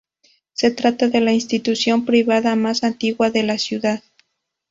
Se trata de la institución privada más antigua de la ciudad.